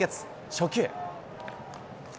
初球。